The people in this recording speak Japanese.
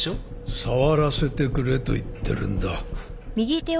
触らせてくれと言ってるんだ。